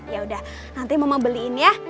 ya udah nanti mama beliin ya